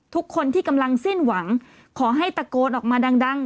ทุกคนที่กำลังสิ้นหวังขอให้ตะโกนออกมาดัง